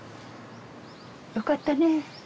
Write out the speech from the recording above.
よかったね。